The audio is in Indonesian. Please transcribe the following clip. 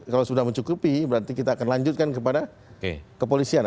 kalau sudah mencukupi berarti kita akan lanjutkan kepada kepolisian